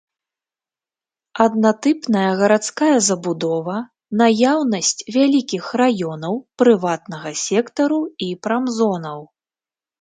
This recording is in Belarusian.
Аднатыпная гарадская забудова, наяўнасць вялікіх раёнаў прыватнага сектару і прамзонаў.